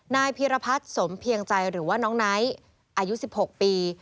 นายพีรพัฒน์สมเพียงใจหรือว่าน้องไนท์อายุ๑๖ปี